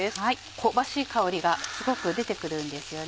香ばしい香りがすごく出て来るんですよね。